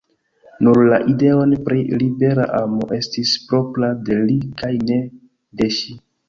Nur la ideon pri libera amo estis propra de li kaj ne de ŝi.